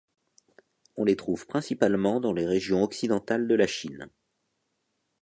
On les trouve principalement dans les régions occidentales de la Chine.